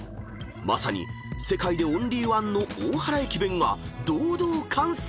［まさに世界でオンリーワンの大原駅弁が堂々完成！］